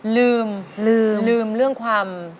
ลืมลืมเรื่องความ